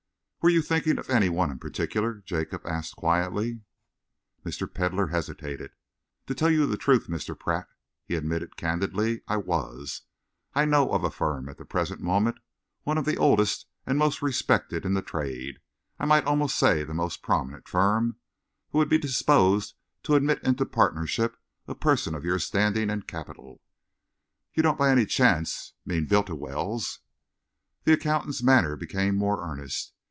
"Were you thinking of any one in particular?" Jacob asked quietly. Mr. Pedlar hesitated. "To tell you the truth, Mr. Pratt," he admitted candidly, "I was. I know of a firm at the present moment, one of the oldest and most respected in the trade I might almost say the most prominent firm who would be disposed to admit into partnership a person of your standing and capital." "You don't, by any chance, mean Bultiwell's?" The accountant's manner became more earnest.